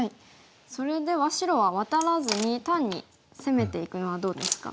それでは白はワタらずに単に攻めていくのはどうですか？